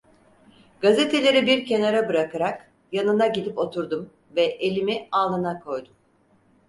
Gazeteleri bir kenara bırakarak, yanına gidip oturdum ve elimi alnına koydum.